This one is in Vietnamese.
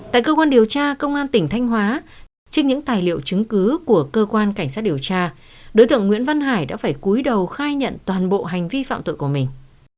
tại cơ quan điều tra công an tỉnh thanh hóa trước những tài liệu chứng cứ của cơ quan cảnh sát điều tra đối tượng nguyễn văn hải đã phải cuối đầu khai nhận toàn bộ hành vi phạm tội của mình